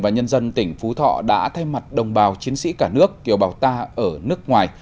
nhân dân tỉnh phú thọ đã thay mặt đồng bào chiến sĩ cả nước kiều bào ta ở nước ngoài